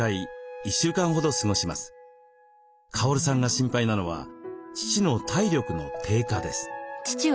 カオルさんが心配なのは父の体力の低下です。